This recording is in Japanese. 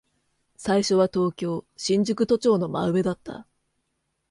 最初は東京、新宿都庁の真上だった。